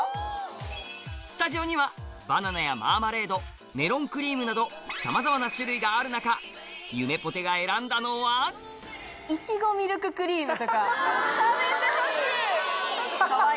スタジオにはバナナやマーマレードメロンクリームなどさまざまな種類がある中食べてほしい！